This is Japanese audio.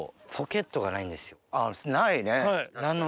ないね。